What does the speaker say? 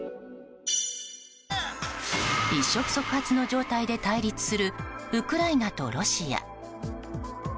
一触即発の状態で対立するウクライナとロシア。